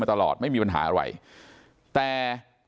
ฝ่ายกรเหตุ๗๖ฝ่ายมรณภาพกันแล้ว